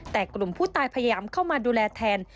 แต่กลุ่มผู้ตายพยายามเข้ามาดูแลแทน